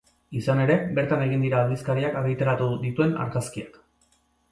Izan ere, bertan egin dira aldizkariak argitaratu dituen argazkiak.